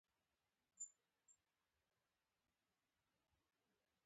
بې تحملي بد دی.